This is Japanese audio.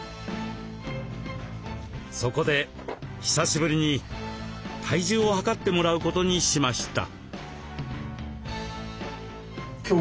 そこで久しぶりに体重を量ってもらうことにしました。